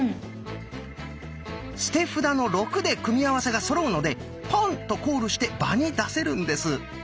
捨て札の「６」で組み合わせがそろうので「ポン」とコールして場に出せるんです。